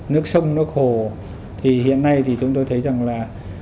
nước sông nước hồ thì hiện nay thì chúng tôi thấy rằng là